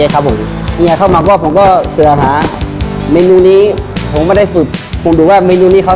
ก็เลยเลยผมเสื่อหาเมนูของเจ๊ฟูพันต้องการ